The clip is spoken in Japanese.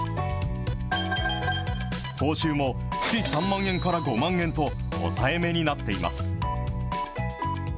報酬も月３万円から５万円と、抑えめになっています。